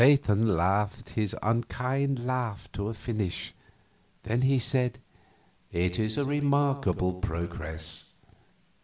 Satan laughed his unkind laugh to a finish; then he said: "It is a remarkable progress.